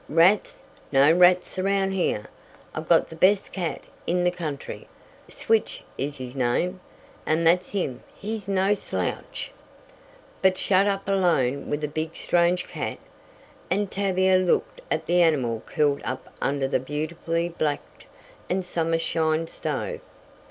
"Rats! No rats around here. I've got the best cat in the country. Switch is his name, an' that's him he's no slouch." "But shut up alone with a big strange cat " and Tavia looked at the animal curled up under the beautifully blacked and summer shined stove.